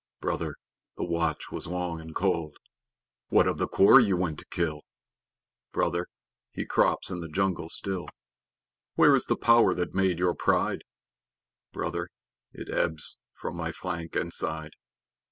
Brother, the watch was long and cold. What of the quarry ye went to kill? Brother, he crops in the jungle still. Where is the power that made your pride? Brother, it ebbs from my flank and side.